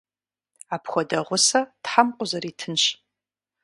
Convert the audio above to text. Апхуэдэ гъусэ Тхьэм къузэритынщ.